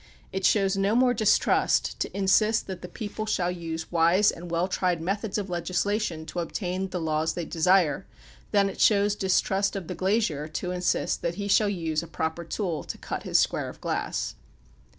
It shows no more distrust to insist that the people shall use wise and well tried methods of legislation to obtain the laws they desire than it shows distrust of the glazier to insist that he shall use a proper tool to cut his square of glass.